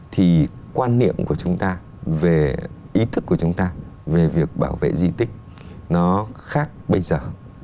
thì quan niệm của chúng ta về ý thức của chúng ta về việc bảo vệ di tích nó khác bây giờ